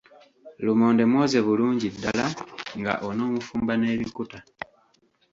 Lumonde mwoze bulungi ddala, nga on'omufumba n'ebikuta.